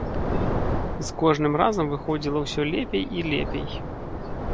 З кожным разам выходзіла ўсё лепей і лепей.